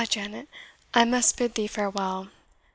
Janet, I must bid thee farewell!